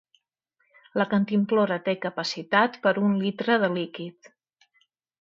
La cantimplora té capacitat per un litre de líquid.